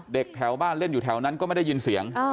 แถวบ้านเล่นอยู่แถวนั้นก็ไม่ได้ยินเสียง